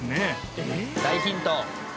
大ヒント。